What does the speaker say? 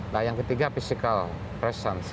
nah yang ketiga physical presence